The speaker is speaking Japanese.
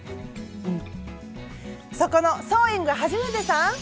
そこのソーイングはじめてさん！